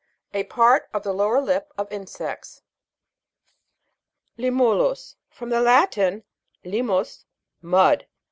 A part of the lower lip of insects. LI'MULUS. From the Latin, limits, mud.